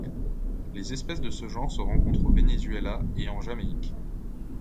Les espèces de ce genre se rencontrent au Venezuela et en Jamaïque.